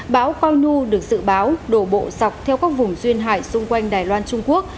bão coi nu được dự báo đổ bộ dọc theo các vùng duyên hải xung quanh đài loan trung quốc